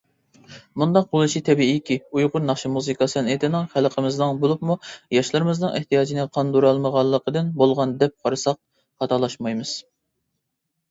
مۇنداق بولۇشى تەبىئىيكى ئۇيغۇر ناخشا-مۇزىكا سەنئىتىنىڭ خەلقىمىزنىڭ، بولۇپمۇ ياشلىرىمىزنىڭ ئېھتىياجىنى قاندۇرالمىغانلىقىدىن بولغان دەپ قارىساق خاتالاشمايمىز.